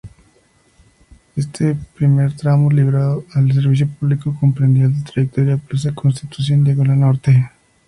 Este primer tramo librado al servicio público comprendía el trayecto Plaza Constitución–Diagonal Norte.